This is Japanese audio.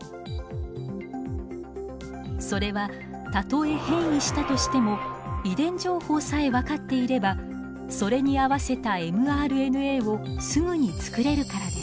それはたとえ変異したとしても遺伝情報さえ分かっていればそれに合わせたｍＲＮＡをすぐに作れるからです。